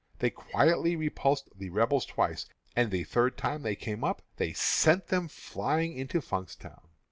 They quietly repulsed the Rebels twice, and the third time they came up they sent them flying into Funkstown.